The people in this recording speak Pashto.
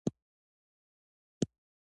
انټرنیټ د پوهې یوه لویه سرچینه ده.